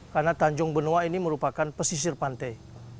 karena tanjung benoa ini merupakan pesisir pantai